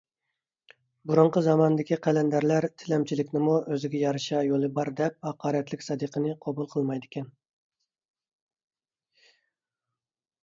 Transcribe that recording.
بۇرۇنقى زاماندىكى قەلەندەرلەر تىلەمچىلىكنىڭمۇ ئۆزىگە يارىشا يولى بار دەپ، ھاقارەتلىك سەدىقىنى قوبۇل قىلمايدىكەن.